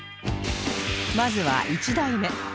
まずは１台目